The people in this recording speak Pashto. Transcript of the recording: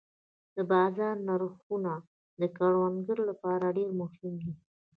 د بازار نرخونه د کروندګر لپاره ډېر مهم دي.